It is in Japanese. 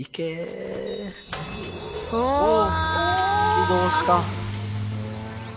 起動した。